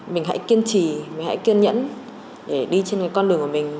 mình hãy kiên trì mình hãy kiên nhẫn để đi trên con đường của mình